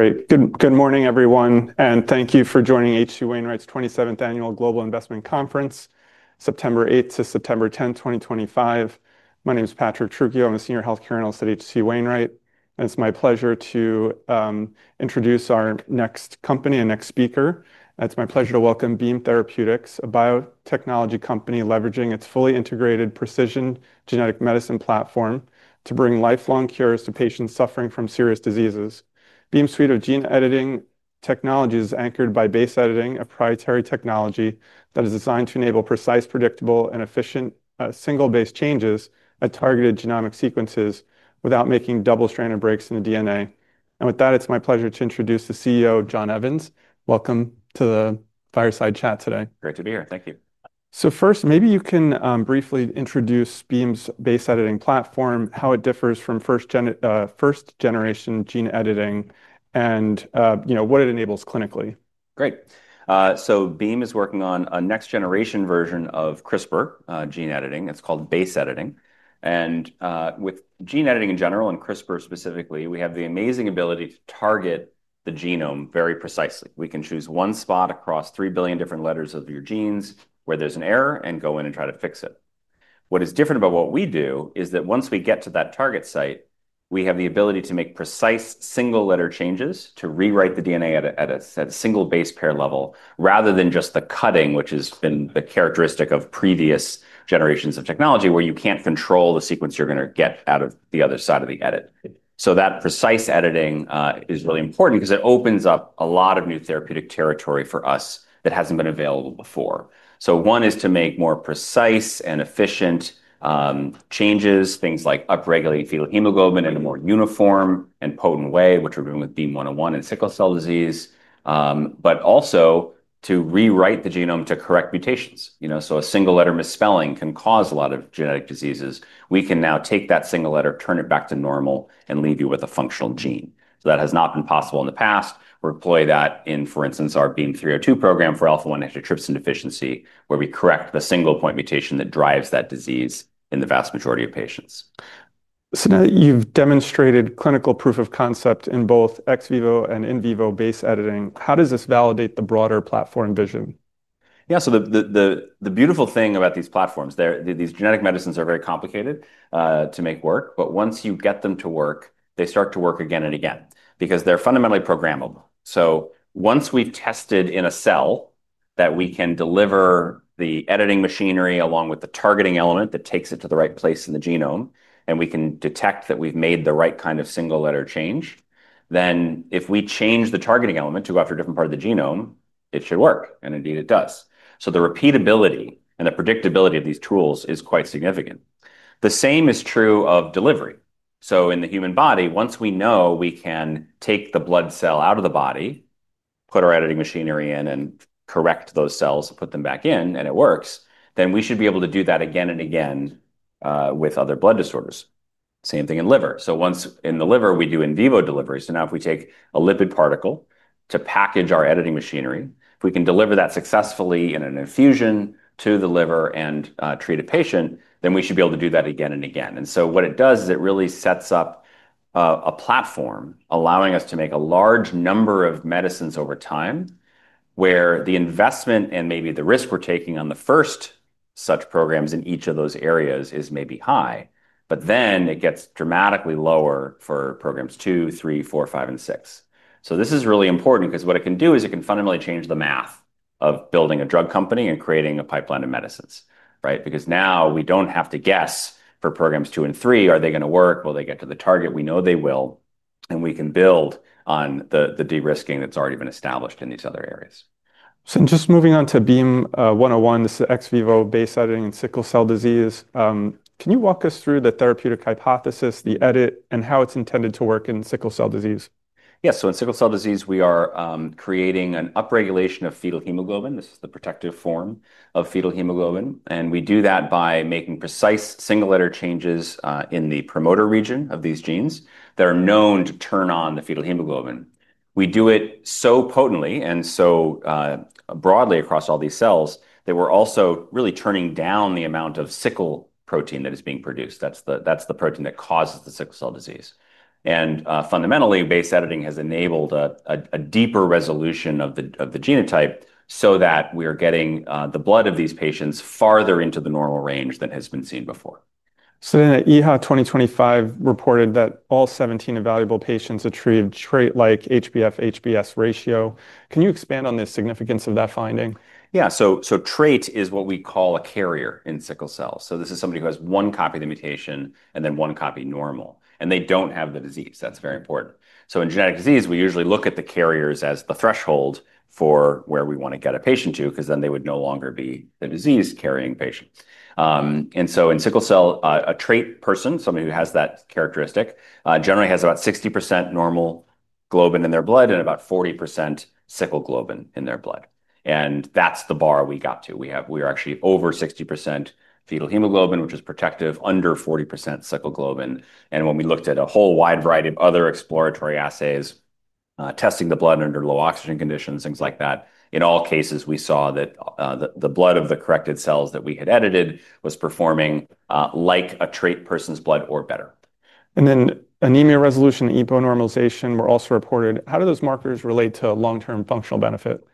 Good morning, everyone, and thank you for joining H.C. Wainwright's 27th Annual Global Investment Conference, September 8th to September 10th, 2025. My name is Patrick Trujillo. I'm a Senior Healthcare Analyst at H.C. Wainwright, and it's my pleasure to introduce our next company and next speaker. It's my pleasure to welcome Beam Therapeutics, a biotechnology company leveraging its fully integrated precision genetic medicine platform to bring lifelong cures to patients suffering from serious diseases. Beam's suite of gene editing technology is anchored by base editing, a proprietary technology that is designed to enable precise, predictable, and efficient single-base changes at targeted genomic sequences without making double-stranded breaks in the DNA. With that, it's my pleasure to introduce the CEO, John Evans. Welcome to the fireside chat today. Great to be here. Thank you. Maybe you can briefly introduce Beam's base editing platform, how it differs from first-generation gene editing, and what it enables clinically. Great. Beam Therapeutics is working on a next-generation version of CRISPR gene editing. It's called base editing. With gene editing in general, and CRISPR specifically, we have the amazing ability to target the genome very precisely. We can choose one spot across 3 billion different letters of your genes where there's an error and go in and try to fix it. What is different about what we do is that once we get to that target site, we have the ability to make precise single-letter changes to rewrite the DNA at a single-base pair level, rather than just the cutting, which has been the characteristic of previous generations of technology, where you can't control the sequence you're going to get out of the other side of the edit. That precise editing is really important because it opens up a lot of new therapeutic territory for us that hasn't been available before. One is to make more precise and efficient changes, things like upregulate fetal hemoglobin in a more uniform and potent way, which we're doing with BEAM-101 in sickle cell disease, but also to rewrite the genome to correct mutations. A single-letter misspelling can cause a lot of genetic diseases. We can now take that single letter, turn it back to normal, and leave you with a functional gene. That has not been possible in the past. We're employing that in, for instance, our BEAM-302 program for alpha-1 antitrypsin deficiency, where we correct a single point mutation that drives that disease in the vast majority of patients. You have demonstrated clinical proof of concept in both ex vivo and in vivo base editing. How does this validate the broader platform vision? Yeah, the beautiful thing about these platforms, these genetic medicines are very complicated to make work, but once you get them to work, they start to work again and again because they're fundamentally programmable. Once we've tested in a cell that we can deliver the editing machinery along with the targeting element that takes it to the right place in the genome, and we can detect that we've made the right kind of single-letter change, then if we change the targeting element to go after a different part of the genome, it should work. It does. The repeatability and the predictability of these tools is quite significant. The same is true of delivery. In the human body, once we know we can take the blood cell out of the body, put our editing machinery in and correct those cells and put them back in, and it works, then we should be able to do that again and again with other blood disorders. Same thing in liver. Once in the liver, we do in vivo delivery. If we take a lipid particle to package our editing machinery, if we can deliver that successfully in an infusion to the liver and treat a patient, then we should be able to do that again and again. What it does is it really sets up a platform allowing us to make a large number of medicines over time where the investment and maybe the risk we're taking on the first such programs in each of those areas is maybe high, but then it gets dramatically lower for programs two, three, four, five, and six. This is really important because what it can do is it can fundamentally change the math of building a drug company and creating a pipeline of medicines, right? Now we don't have to guess for programs two and three, are they going to work? Will they get to the target? We know they will, and we can build on the de-risking that's already been established in these other areas. Moving on to BEAM-101, this is ex vivo base editing in sickle cell disease. Can you walk us through the therapeutic hypothesis, the edit, and how it's intended to work in sickle cell disease? In sickle cell disease, we are creating an upregulation of fetal hemoglobin. This is the protective form of fetal hemoglobin. We do that by making precise single-letter changes in the promoter region of these genes that are known to turn on the fetal hemoglobin. We do it so potently and so broadly across all these cells that we're also really turning down the amount of sickle protein that is being produced. That's the protein that causes the sickle cell disease. Fundamentally, base editing has enabled a deeper resolution of the genotype so that we are getting the blood of these patients farther into the normal range than has been seen before. EHA 2025 reported that all 17 evaluable patients attribute trait-like HBF/HBS ratio. Can you expand on the significance of that finding? Yeah, trait is what we call a carrier in sickle cell. This is somebody who has one copy of the mutation and one copy normal, and they don't have the disease. That's very important. In genetic disease, we usually look at the carriers as the threshold for where we want to get a patient to, because then they would no longer be the disease-carrying patient. In sickle cell, a trait person, somebody who has that characteristic, generally has about 60% normal globin in their blood and about 40% sickle globin in their blood. That's the bar we got to. We are actually over 60% fetal hemoglobin, which is protective, under 40% sickle globin. When we looked at a whole wide variety of other exploratory assays, testing the blood under low oxygen conditions, things like that, in all cases, we saw that the blood of the corrected cells that we had edited was performing like a trait person's blood or better. Anemia resolution and EPO normalization were also reported. How do those markers relate to long-term functional benefit?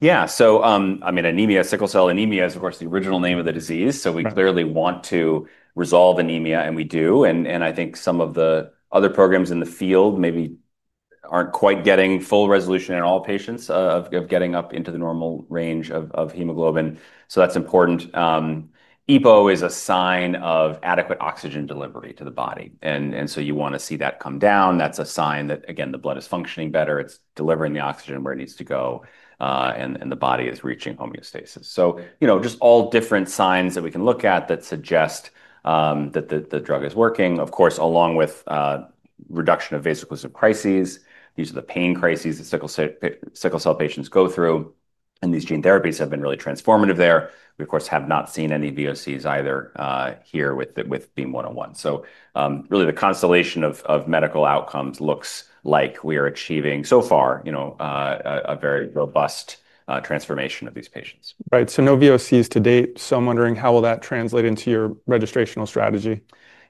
Yeah, so I mean, anemia, sickle cell anemia is, of course, the original name of the disease. We clearly want to resolve anemia, and we do. I think some of the other programs in the field maybe aren't quite getting full resolution in all patients of getting up into the normal range of hemoglobin. That's important. Epo is a sign of adequate oxygen delivery to the body, and you want to see that come down. That's a sign that, again, the blood is functioning better. It's delivering the oxygen where it needs to go, and the body is reaching homeostasis. Just all different signs that we can look at that suggest that the drug is working, of course, along with reduction of vaso-occlusive crises. These are the pain crises that sickle cell patients go through, and these gene therapies have been really transformative there. We, of course, have not seen any VOCs either here with BEAM-101. Really, the constellation of medical outcomes looks like we are achieving, so far, a very robust transformation of these patients. Right, so no VOCs to date. I'm wondering how will that translate into your registrational strategy?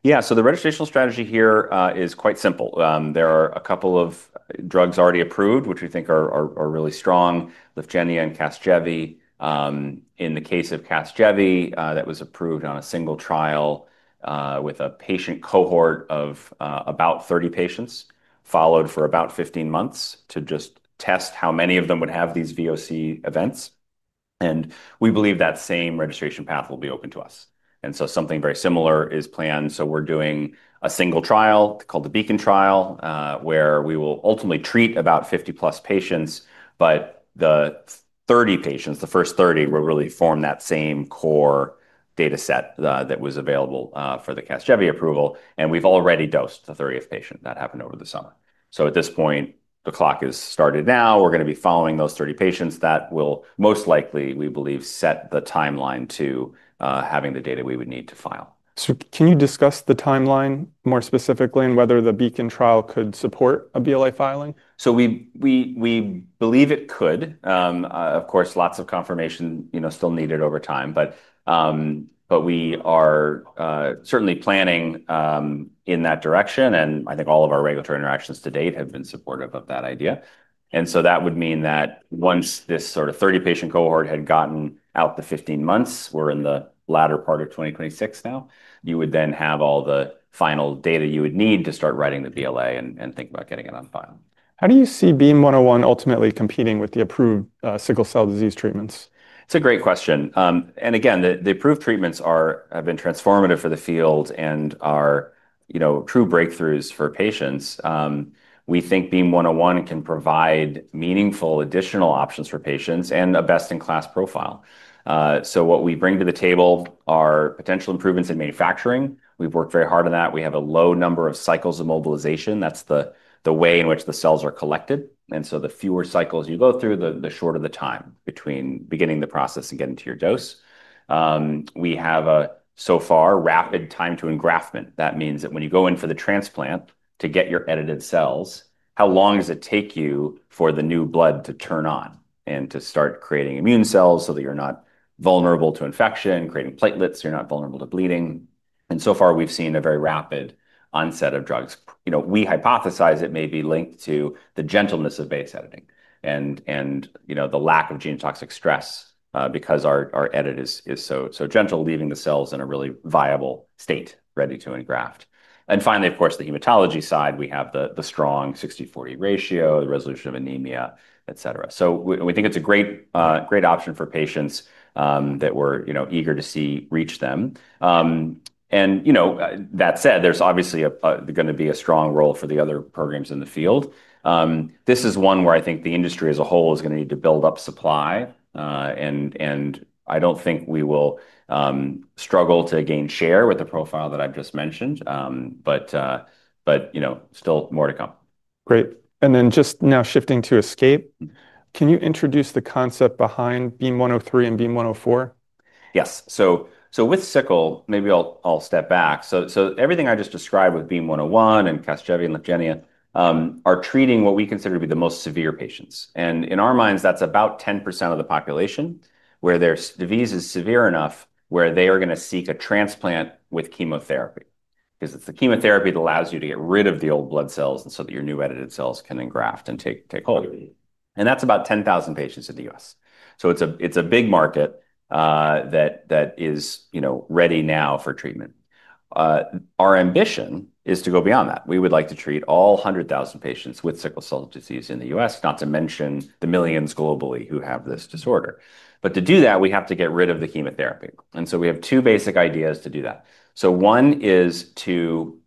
Yeah, the registrational strategy here is quite simple. There are a couple of drugs already approved, which we think are really strong: Lyfgenia and Casgevy. In the case of Casgevy, that was approved on a single trial with a patient cohort of about 30 patients followed for about 15 months to just test how many of them would have these VOC events. We believe that same registration path will be open to us. Something very similar is planned. We're doing a single trial called the Beacon trial, where we will ultimately treat about 50 plus patients, but the 30 patients, the first 30, will really form that same core data set that was available for the Casgevy approval. We've already dosed the 30th patient; that happened over the summer. At this point, the clock has started now. We're going to be following those 30 patients that will most likely, we believe, set the timeline to having the data we would need to file. Can you discuss the timeline more specifically and whether the Beacon trial could support a BLA filing? We believe it could. Of course, lots of confirmation still needed over time. We are certainly planning in that direction. I think all of our regulatory interactions to date have been supportive of that idea. That would mean that once this sort of 30-patient cohort had gotten out the 15 months, we're in the latter part of 2026 now, you would then have all the final data you would need to start writing the BLA and think about getting it on file. How do you see BEAM-101 ultimately competing with the approved sickle cell disease treatments? It's a great question. Again, the approved treatments have been transformative for the field and are, you know, true breakthroughs for patients. We think BEAM-101 can provide meaningful additional options for patients and a best-in-class profile. What we bring to the table are potential improvements in manufacturing. We've worked very hard on that. We have a low number of cycles of mobilization. That's the way in which the cells are collected. The fewer cycles you go through, the shorter the time between beginning the process and getting to your dose. We have a, so far, rapid time to engraftment. That means that when you go in for the transplant to get your edited cells, how long does it take you for the new blood to turn on and to start creating immune cells so that you're not vulnerable to infection, creating platelets, so you're not vulnerable to bleeding. So far, we've seen a very rapid onset of drugs. We hypothesize it may be linked to the gentleness of base editing and the lack of genotoxic stress because our edit is so gentle, leaving the cells in a really viable state, ready to engraft. Finally, of course, the hematology side, we have the strong 60-40 ratio, the resolution of anemia, et cetera. We think it's a great option for patients that we're eager to see reach them. That said, there's obviously going to be a strong role for the other programs in the field. This is one where I think the industry as a whole is going to need to build up supply. I don't think we will struggle to gain share with the profile that I've just mentioned. Still more to come. Great. Now shifting to Escape, can you introduce the concept behind BEAM-103 and BEAM-104? Yes. With sickle, maybe I'll step back. Everything I just described with BEAM-101 and Casgevy and Lyfgenia are treating what we consider to be the most severe patients. In our minds, that's about 10% of the population where their disease is severe enough where they are going to seek a transplant with chemotherapy. It's the chemotherapy that allows you to get rid of the old blood cells so that your new edited cells can engraft and take hold. That's about 10,000 patients in the U.S. It's a big market that is ready now for treatment. Our ambition is to go beyond that. We would like to treat all 100,000 patients with sickle cell disease in the U.S., not to mention the millions globally who have this disorder. To do that, we have to get rid of the chemotherapy. We have two basic ideas to do that. One is to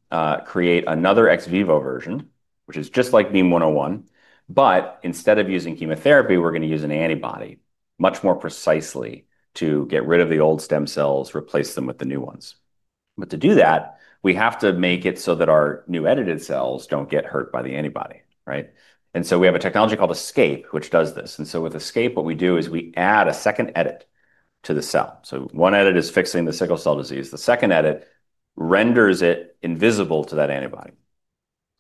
create another ex vivo version, which is just like BEAM-101, but instead of using chemotherapy, we're going to use an antibody much more precisely to get rid of the old stem cells, replace them with the new ones. To do that, we have to make it so that our new edited cells don't get hurt by the antibody, right? We have a technology called Escape, which does this. With Escape, what we do is we add a second edit to the cell. One edit is fixing the sickle cell disease. The second edit renders it invisible to that antibody.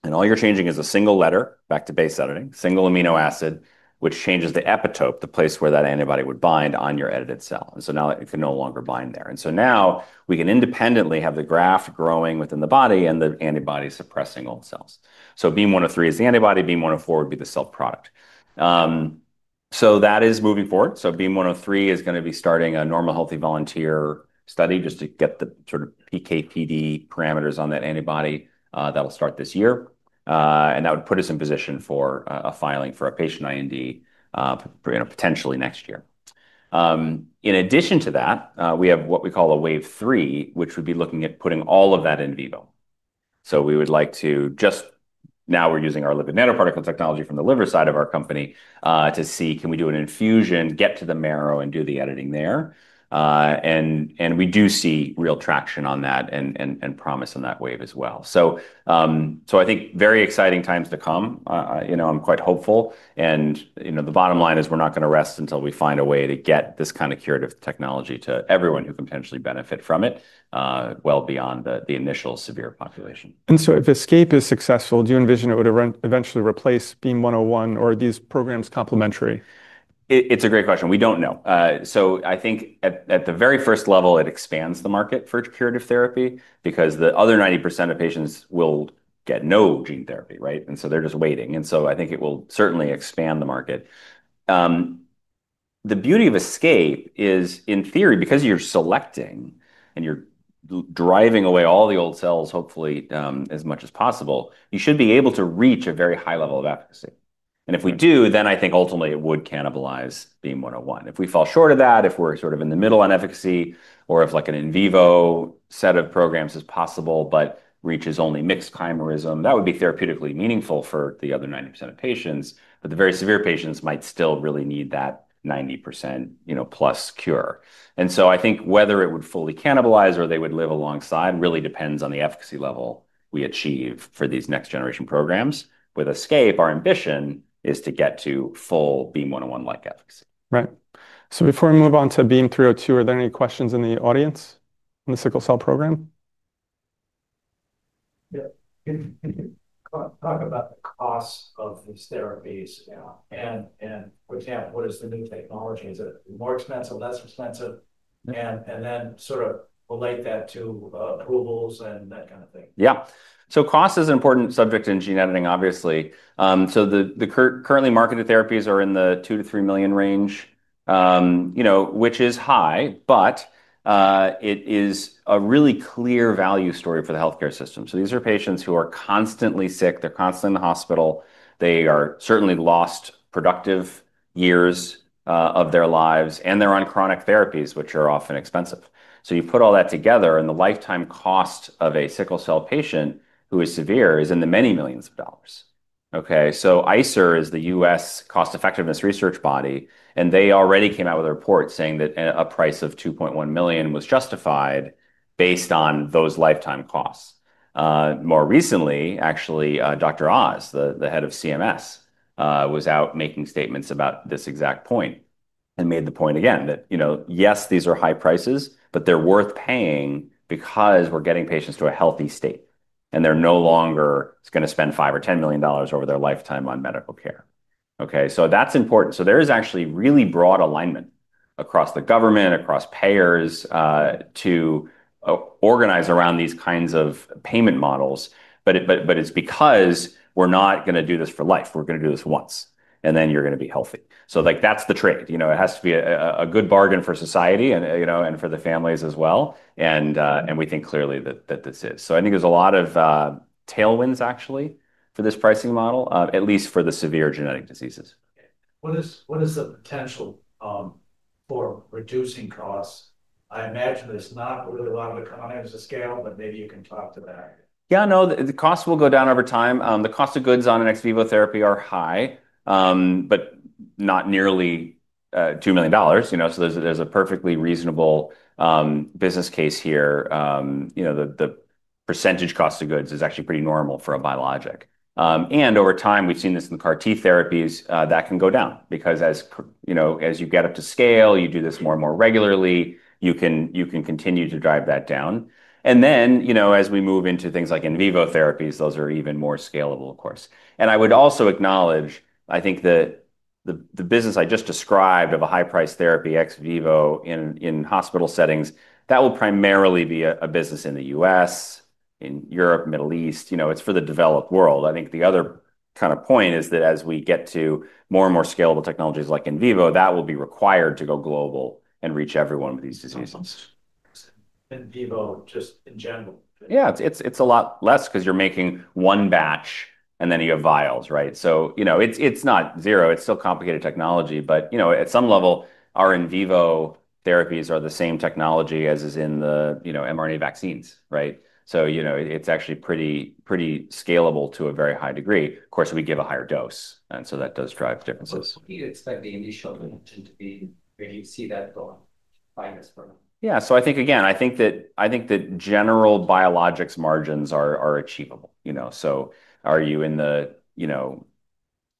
All you're changing is a single letter, back to base editing, single amino acid, which changes the epitope, the place where that antibody would bind on your edited cell. Now it can no longer bind there. Now we can independently have the graft growing within the body and the antibody suppressing old cells. BEAM-103 is the antibody. BEAM-104 would be the cell product. That is moving forward. BEAM-103 is going to be starting a normal healthy volunteer study just to get the sort of EKPD parameters on that antibody. That'll start this year. That would put us in position for a filing for a patient IND, potentially next year. In addition to that, we have what we call a wave three, which would be looking at putting all of that in vivo. We would like to just now we're using our lipid nanoparticle technology from the liver side of our company to see, can we do an infusion, get to the marrow, and do the editing there? We do see real traction on that and promise in that wave as well. I think very exciting times to come. I'm quite hopeful. The bottom line is we're not going to rest until we find a way to get this kind of curative technology to everyone who can potentially benefit from it, well beyond the initial severe population. If Escape is successful, do you envision it would eventually replace BEAM-101, or are these programs complementary? It's a great question. We don't know. I think at the very first level, it expands the market for curative therapy because the other 90% of patients will get no gene therapy, right? They're just waiting. I think it will certainly expand the market. The beauty of Escape is, in theory, because you're selecting and you're driving away all the old cells, hopefully, as much as possible, you should be able to reach a very high level of efficacy. If we do, then I think ultimately it would cannibalize BEAM-101. If we fall short of that, if we're sort of in the middle on efficacy, or if like an in vivo set of programs is possible but reaches only mixed chimerism, that would be therapeutically meaningful for the other 90% of patients. The very severe patients might still really need that 90%+ cure. I think whether it would fully cannibalize or they would live alongside really depends on the efficacy level we achieve for these next-generation programs. With Escape, our ambition is to get to full BEAM-101-like efficacy. Right. Before we move on to BEAM-302, are there any questions in the audience on the sickle cell program? Talk about the cost of these therapies now, and again, what is the new technology? Is it more expensive, less expensive? Then sort of relate that to approvals and that kind of thing. Yeah. Cost is an important subject in gene editing, obviously. The currently marketed therapies are in the $2 million to $3 million range, you know, which is high, but it is a really clear value story for the healthcare system. These are patients who are constantly sick. They're constantly in the hospital. They have certainly lost productive years of their lives, and they're on chronic therapies, which are often expensive. You put all that together, and the lifetime cost of a sickle cell patient who is severe is in the many millions of dollars. ICER is the U.S. cost-effectiveness research body, and they already came out with a report saying that a price of $2.1 million was justified based on those lifetime costs. More recently, actually, Dr. Oz, the head of CMS, was out making statements about this exact point and made the point again that, you know, yes, these are high prices, but they're worth paying because we're getting patients to a healthy state, and they're no longer going to spend $5 million or $10 million over their lifetime on medical care. That is important. There is actually really broad alignment across the government, across payers to organize around these kinds of payment models. It's because we're not going to do this for life. We're going to do this once, and then you're going to be healthy. That's the trade. It has to be a good bargain for society and for the families as well. We think clearly that this is. I think there's a lot of tailwinds, actually, for this pricing model, at least for the severe genetic diseases. What is the potential for reducing costs? I imagine there's not really a lot of economics to scale, but maybe you can talk to that. Yeah, no, the costs will go down over time. The cost of goods on an ex vivo therapy are high, but not nearly $2 million. There's a perfectly reasonable business case here. The % cost of goods is actually pretty normal for a biologic. Over time, we've seen this in the CAR-T therapies that can go down because as you get up to scale, you do this more and more regularly, you can continue to drive that down. As we move into things like in vivo therapies, those are even more scalable, of course. I would also acknowledge, I think, the business I just described of a high-priced therapy ex vivo in hospital settings, that will primarily be a business in the U.S., in Europe, Middle East. It's for the developed world. The other kind of point is that as we get to more and more scalable technologies like in vivo, that will be required to go global and reach every one of these diseases. In vivo, just in general. Yeah, it's a lot less because you're making one batch and then you have vials, right? It's not zero. It's still complicated technology, but at some level, our in vivo therapies are the same technology as is in the mRNA vaccines, right? It's actually pretty, pretty scalable to a very high degree. Of course, we give a higher dose, and that does drive differences. Where do you see that going? I think that general biologics margins are achievable. Are you in the 20%,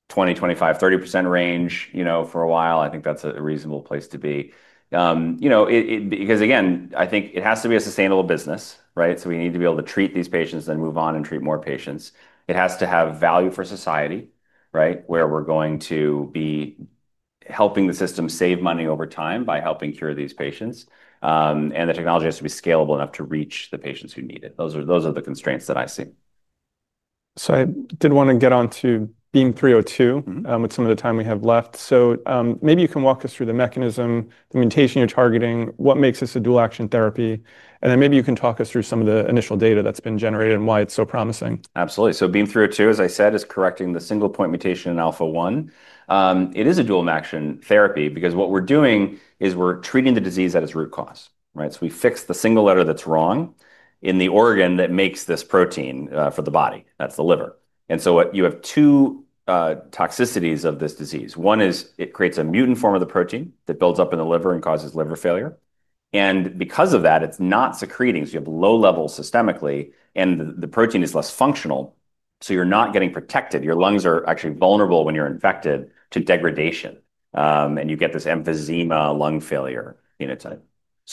25%, 30% range for a while? I think that's a reasonable place to be because it has to be a sustainable business, right? We need to be able to treat these patients and then move on and treat more patients. It has to have value for society, right? We're going to be helping the system save money over time by helping cure these patients. The technology has to be scalable enough to reach the patients who need it. Those are the constraints that I see. I did want to get on to BEAM-302 with some of the time we have left. Maybe you can walk us through the mechanism, the mutation you're targeting, what makes this a dual-action therapy? Maybe you can talk us through some of the initial data that's been generated and why it's so promising. Absolutely. BEAM-302, as I said, is correcting the single point mutation in alpha-1. It is a dual-action therapy because what we're doing is we're treating the disease at its root cause, right? We fix the single letter that's wrong in the organ that makes this protein for the body. That's the liver. You have two toxicities of this disease. One is it creates a mutant form of the protein that builds up in the liver and causes liver failure. Because of that, it's not secreting, so you have low levels systemically, and the protein is less functional. You're not getting protected. Your lungs are actually vulnerable when you're infected to degradation. You get this emphysema lung failure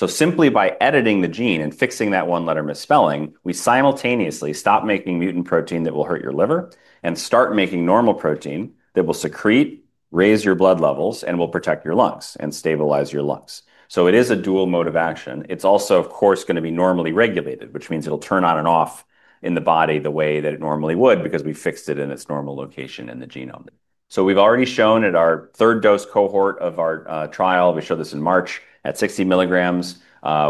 phenotype. Simply by editing the gene and fixing that one letter misspelling, we simultaneously stop making mutant protein that will hurt your liver and start making normal protein that will secrete, raise your blood levels, and will protect your lungs and stabilize your lungs. It is a dual mode of action. It's also, of course, going to be normally regulated, which means it'll turn on and off in the body the way that it normally would because we fixed it in its normal location in the genome. We've already shown at our third dose cohort of our trial, we showed this in March at 60 milligrams.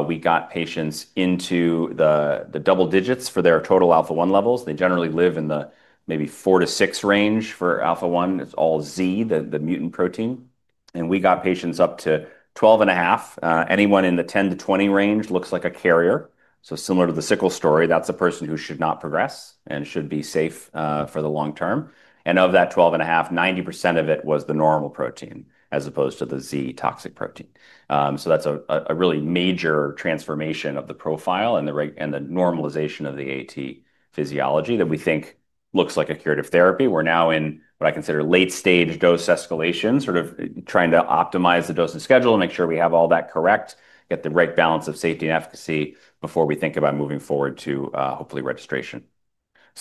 We got patients into the double digits for their total alpha-1 levels. They generally live in the maybe four to six range for alpha-1. It's all Z, the mutant protein. We got patients up to 12.5. Anyone in the 10 to 20 range looks like a carrier. Similar to the sickle story, that's a person who should not progress and should be safe for the long term. Of that 12.5, 90% of it was the normal protein as opposed to the Z toxic protein. That's a really major transformation of the profile and the normalization of the AT physiology that we think looks like a curative therapy. We're now in what I consider late-stage dose escalation, sort of trying to optimize the dose and schedule and make sure we have all that correct, get the right balance of safety and efficacy before we think about moving forward to hopefully registration.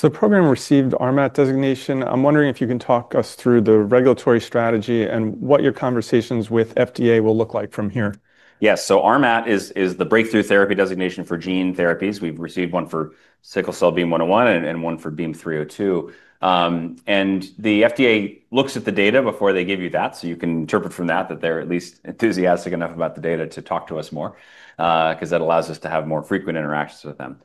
The program received RMAT designation. I'm wondering if you can talk us through the regulatory strategy and what your conversations with the FDA will look like from here. Yes, so RMAT is the breakthrough therapy designation for gene therapies. We've received one for sickle cell BEAM-101 and one for BEAM-302. The FDA looks at the data before they give you that. You can interpret from that that they're at least enthusiastic enough about the data to talk to us more because that allows us to have more frequent interactions with them.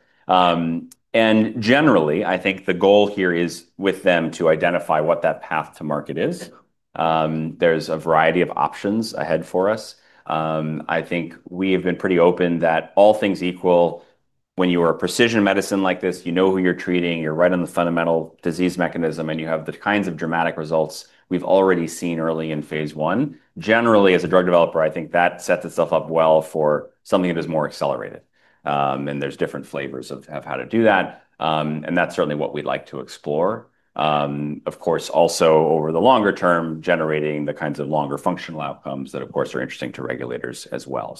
Generally, I think the goal here is with them to identify what that path to market is. There's a variety of options ahead for us. I think we have been pretty open that all things equal, when you are a precision medicine like this, you know who you're treating, you're right on the fundamental disease mechanism, and you have the kinds of dramatic results we've already seen early in phase one. Generally, as a drug developer, I think that sets itself up well for something that is more accelerated. There are different flavors of how to do that. That's certainly what we'd like to explore. Of course, also over the longer term, generating the kinds of longer functional outcomes that, of course, are interesting to regulators as well.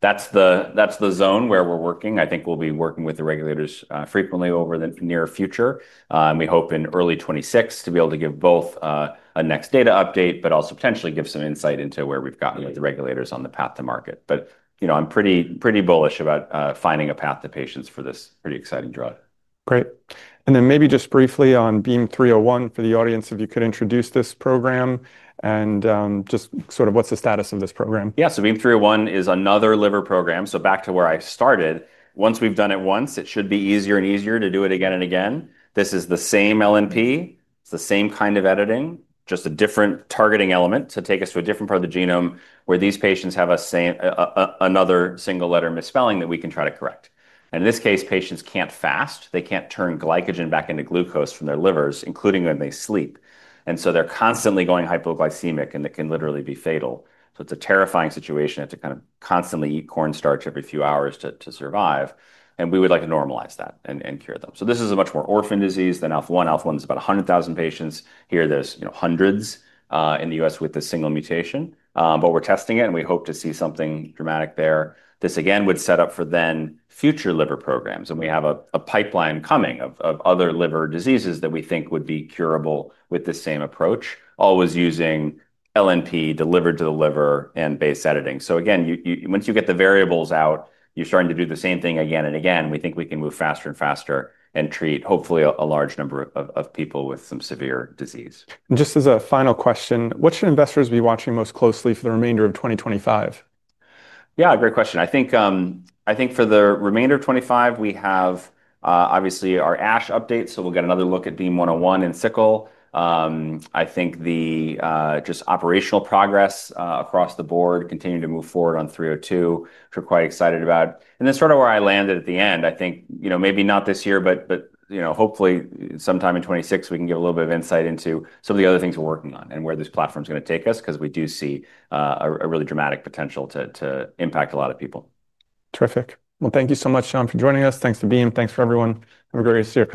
That's the zone where we're working. I think we'll be working with the regulators frequently over the near future. We hope in early 2026 to be able to give both a next data update, but also potentially give some insight into where we've gotten with the regulators on the path to market. I'm pretty bullish about finding a path to patients for this pretty exciting drug. Great. Maybe just briefly on BEAM-301 for the audience, if you could introduce this program and just sort of what's the status of this program. Yeah, so BEAM-301 is another liver program. Back to where I started, once we've done it once, it should be easier and easier to do it again and again. This is the same LNP. It's the same kind of editing, just a different targeting element to take us to a different part of the genome where these patients have another single letter misspelling that we can try to correct. In this case, patients can't fast. They can't turn glycogen back into glucose from their livers, including when they sleep. They're constantly going hypoglycemic, and it can literally be fatal. It's a terrifying situation. You have to constantly eat cornstarch every few hours to survive. We would like to normalize that and cure them. This is a much more orphan disease than alpha-1. Alpha-1 is about 100,000 patients. Here there's hundreds in the U.S. with a single mutation. We're testing it, and we hope to see something dramatic there. This again would set up for future liver programs. We have a pipeline coming of other liver diseases that we think would be curable with the same approach, always using LNP delivered to the liver and base editing. Once you get the variables out, you're starting to do the same thing again and again. We think we can move faster and faster and treat hopefully a large number of people with some severe disease. As a final question, what should investors be watching most closely for the remainder of 2025? Yeah, great question. I think for the remainder of 2025, we have obviously our ASH update. We'll get another look at BEAM-101 and sickle. I think just operational progress across the board, continuing to move forward on BEAM-302, which we're quite excited about. Where I landed at the end, I think maybe not this year, but hopefully sometime in 2026, we can give a little bit of insight into some of the other things we're working on and where this platform is going to take us because we do see a really dramatic potential to impact a lot of people. Terrific. Thank you so much, John, for joining us. Thanks to Beam. Thanks for everyone. Have a great day.